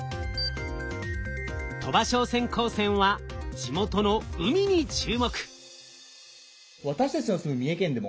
鳥羽商船高専は地元の海に注目。